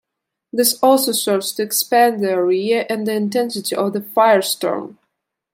This also serves to expand the area and the intensity of the firestorm.